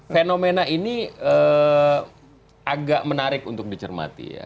fenomena ini agak menarik untuk dicermati ya